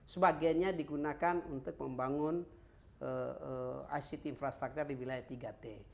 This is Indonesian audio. sebagiannya digunakan untuk membangun ict infrastructure di wilayah tiga t